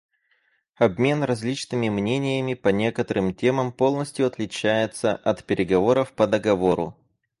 Обмен различными мнениями по некоторым темам полностью отличается от переговоров по договору.